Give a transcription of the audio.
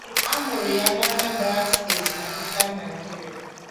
Amụrụ ya na Anambra State na Eastern Nigeria.